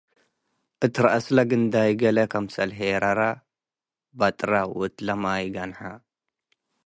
እት ረአስ ለግንዳይ ገሌ ክምሰል ሄረረ፡ በጥረ ወእት ለማይ ገንሐ።